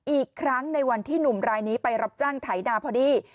อีกครั้งในวันที่หนุ่มรายนี้ไปรับจ้างไถนาพอดี